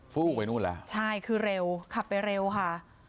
ฟู้ไปนู่นแล้วใช่คือเร็วขับไปเร็วค่ะ